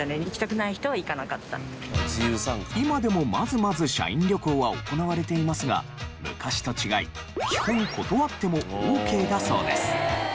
今でもまずまず社員旅行は行われていますが昔と違い基本断ってもオーケーだそうです。